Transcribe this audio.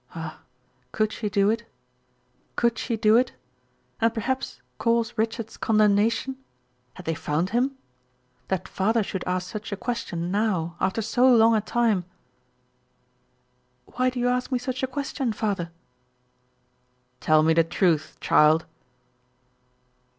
Ah, could she do it? Could she do it! And perhaps cause Richard's condemnation? Had they found him? that father should ask such a question now, after so long a time? "Why do you ask me such a question, father?" "Tell me the truth, child."